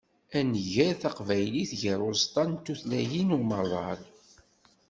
Ad nger taqbaylit gar uẓeṭṭa n tutlayin n umaḍal.